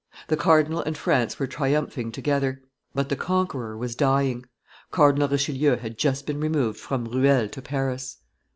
The cardinal and France were triumphing together, but the conqueror was dying; Cardinal Richelieu had just been removed from Ruel to Paris.